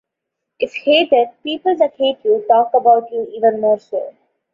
If hated, people that hate you talk about you even more so.